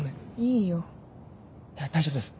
いや大丈夫です